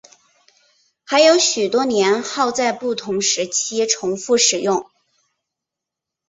还有许多年号在不同时期重复使用。